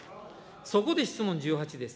そこで質問１８です。